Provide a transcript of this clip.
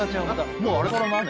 もうあれから何年？